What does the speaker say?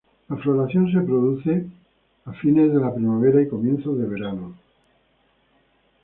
La floración se produce a fines de la primavera y comienzos de verano.